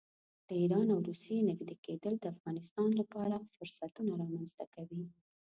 د ایران او روسیې نږدې کېدل د افغانستان لپاره فرصتونه رامنځته کوي.